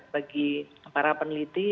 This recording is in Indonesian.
bagi para peneliti